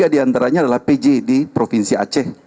tiga diantaranya adalah pj di provinsi aceh